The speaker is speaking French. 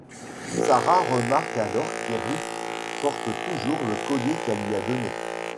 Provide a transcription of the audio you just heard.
Sara remarque alors qu'Eric porte toujours le collier qu'elle lui a donné.